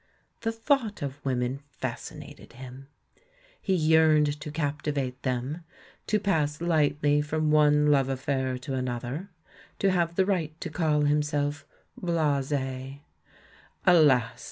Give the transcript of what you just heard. The thought of women fascinated him. He yearned to capti vate them, to pass lightly from one love affair to another, to have the right to call himself "blase." Alas!